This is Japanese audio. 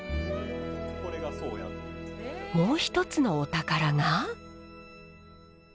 もう一つのお宝が。